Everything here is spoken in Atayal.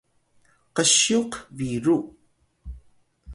ksyuk biru